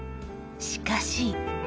しかし